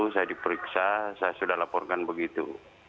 saya diperiksa saya sudah laporkan begitu